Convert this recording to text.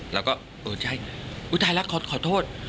แล้วก็เออใช่อุ๊ยแต่ละขอโทษ